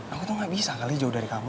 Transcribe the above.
aku tuh gak bisa kali jauh dari kamu